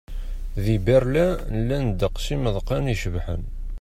Di Berlin, llan ddeqs n yimeḍqan icebḥen.